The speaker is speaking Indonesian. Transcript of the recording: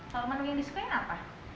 kalau menu yang disukain apa